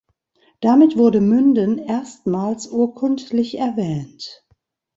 Damit wurde Münden erstmals urkundlich erwähnt.